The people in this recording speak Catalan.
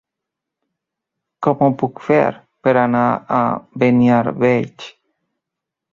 Com ho puc fer per anar a Beniarbeig?